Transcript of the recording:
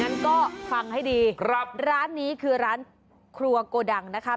งั้นก็ฟังให้ดีครับร้านนี้คือร้านครัวโกดังนะคะ